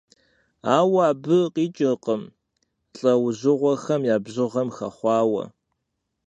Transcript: Ауэ абы къикӀыркъым лӀэужьыгъуэхэм я бжыгъэм хэхъуауэ.